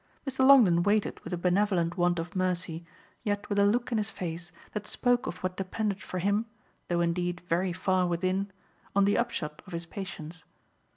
Mr. Longdon waited with a benevolent want of mercy, yet with a look in his face that spoke of what depended for him though indeed very far within on the upshot of his patience.